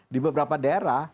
di beberapa daerah